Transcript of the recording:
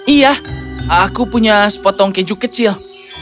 iya aku punya sepotong keju kecil